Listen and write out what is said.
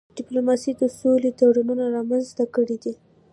ډيپلوماسی د سولي تړونونه رامنځته کړي دي.